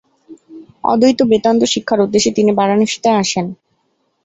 অদ্বৈত বেদান্ত শিক্ষার উদ্দেশ্যে তিনি বারাণসীতে আসেন।